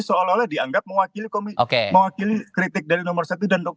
seolah olah dianggap mewakili kritik dari nomor satu dan dua